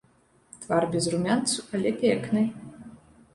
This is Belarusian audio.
Твар без румянцу, але пекны.